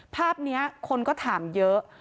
ภาพนี้คนก็ถามเยอะ